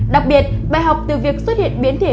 đặc biệt bài học từ việc xuất hiện biến thể